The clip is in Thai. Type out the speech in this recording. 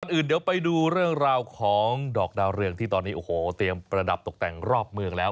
อื่นเดี๋ยวไปดูเรื่องราวของดอกดาวเรืองที่ตอนนี้โอ้โหเตรียมประดับตกแต่งรอบเมืองแล้ว